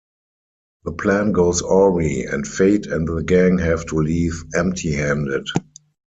The plan goes awry, and Fait and the gang have to leave empty-handed.